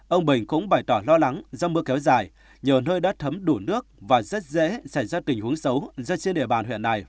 ông bình cũng bày tỏ lo lắng do mưa kéo dài nhờ nơi đất thấm đủ nước và rất dễ xảy ra tình huống xấu dân trên địa bàn huyện này